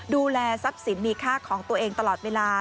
ดูแลทรัพย์สินมีค่าของตัวเองตลอดเวลา